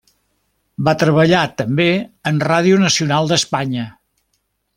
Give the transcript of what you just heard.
Va treballar també en Ràdio Nacional d'Espanya.